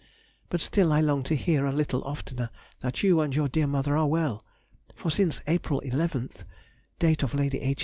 But still I long to hear a little oftener that you and your dear mother are well; for since April eleventh (date of Lady H.